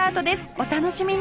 お楽しみに！